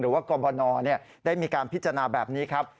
กรมนได้มีการพิจารณาแบบนี้ครับ